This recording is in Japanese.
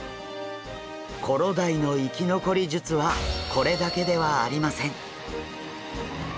コロダイの生き残り術はこれだけではありません。